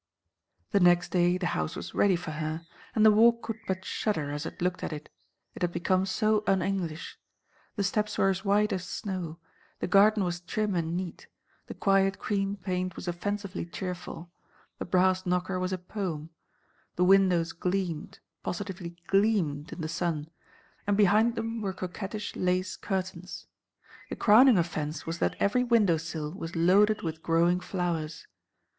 The next day the house was ready for her, and the Walk could but shudder as it looked at it: it had become so un English. The steps were as white as snow; the garden was trim and neat; the quiet cream paint was offensively cheerful; the brass knocker was a poem; the windows gleamed, positively gleamed, in the sun, and behind them were coquettish lace curtains. The crowning offence was that every window sill was loaded with growing flowers.